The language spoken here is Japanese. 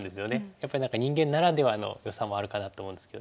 やっぱり何か人間ならではのよさもあるかなと思うんですけど。